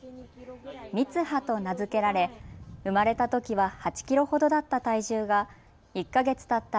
みつはと名付けられ、生まれたときは８キロほどだった体重が１か月たった